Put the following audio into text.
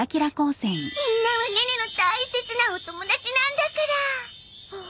みんなはネネの大切なお友達なんだから！